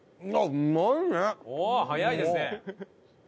おお早いですね！